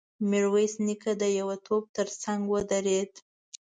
ميرويس نيکه د يوه توپ تر څنګ ودرېد.